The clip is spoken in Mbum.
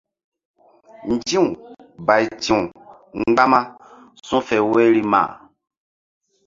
Nzi̧w bayti̧w mgbama su̧fe woyri ma.